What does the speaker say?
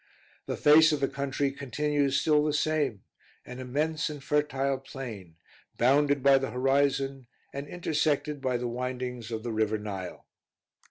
The face of the country continues still the same, an immense and fertile plain, bounded by the horizon and intersected by the windings of the river Nile.